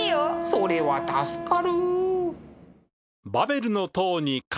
それは助かる！